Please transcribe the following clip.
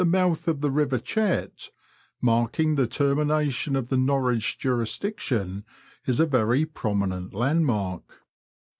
mouth of the river Chet, marking the termination of the Norwich jurisdiction, is a very prominent landmark.